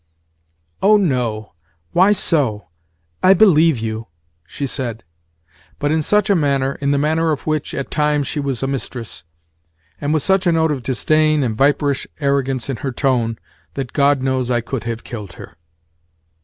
"Oh no! Why so? I believe you," she said, but in such a manner—in the manner of which, at times, she was a mistress—and with such a note of disdain and viperish arrogance in her tone, that God knows I could have killed her.